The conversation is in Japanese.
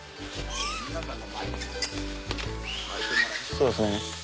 そうですね。